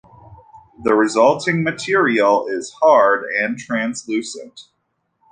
The resulting material is hard and translucent.